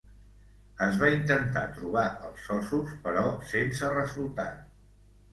Es va intentar trobar els ossos però sense resultat.